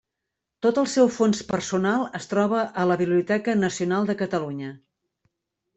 Tot el seu fons personal es troba a la Biblioteca Nacional de Catalunya.